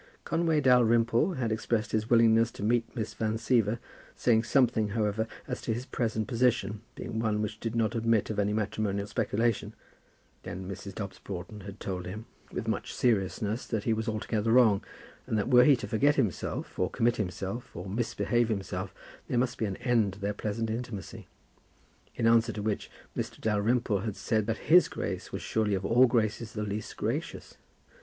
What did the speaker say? Conway Dalrymple had expressed his willingness to meet Miss Van Siever, saying something, however, as to his present position being one which did not admit of any matrimonial speculation. Then Mrs. Dobbs Broughton had told him, with much seriousness, that he was altogether wrong, and that were he to forget himself, or commit himself, or misbehave himself, there must be an end to their pleasant intimacy. In answer to which, Mr. Dalrymple had said that his Grace was surely of all Graces the least gracious.